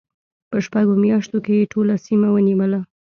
په شپږو میاشتو کې یې ټوله سیمه ونیوله.